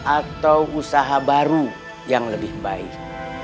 atau usaha baru yang lebih baik